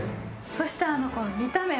そしてこの見た目。